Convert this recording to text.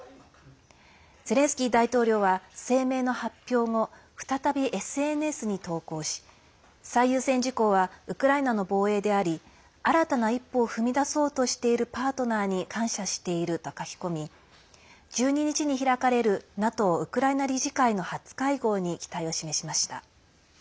ゼレンスキー大統領は声明の発表後再びＳＮＳに投稿し最優先事項はウクライナの防衛であり新たな一歩を踏み出そうとしているパートナーに感謝していると書き込み１２日に開かれるＮＡＴＯウクライナ理事会の初会合に期待を示しました。